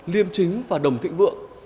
liêm chính và đồng thịnh vượng